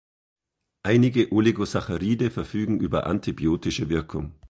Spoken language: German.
Einige Oligosaccharide verfügen über antibiotische Wirkung.